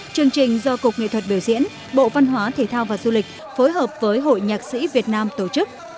chương trình do cục nghệ thuật biểu diễn bộ văn hóa thể thao và du lịch phối hợp với hội nhạc sĩ việt nam tổ chức